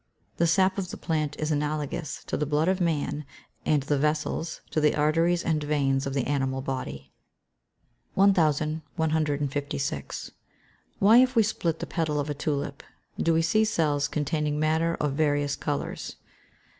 The sap of the plant is analogous to the blood of man, and the vessels, to the arteries and veins of the animal body. 1156. _Why, if we split the petal of a tulip, do we see cells containing matter of various colours?